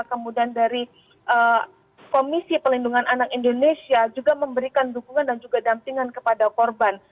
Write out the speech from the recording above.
kemudian dari komisi pelindungan anak indonesia juga memberikan dukungan dan juga dampingan kepada korban